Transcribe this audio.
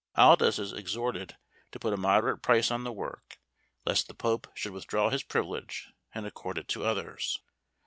Aldus is exhorted to put a moderate price on the work, lest the Pope should withdraw his privilege, and accord it to others.